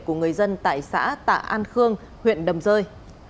của người dân tại xã tạ an khương huyện đầm rơi